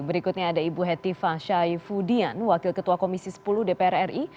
berikutnya ada ibu hetifa syai fudian wakil ketua komisi sepuluh dpr ri